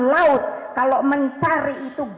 laut kalau mencari itu